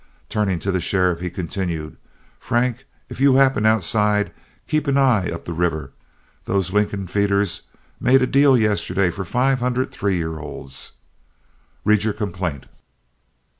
Turning to the sheriff, he continued: "Frank, if you happen outside, keep an eye up the river; those Lincoln feeders made a deal yesterday for five hundred three year olds. Read your complaint."